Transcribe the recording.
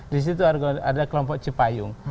di situ ada kelompok cipayung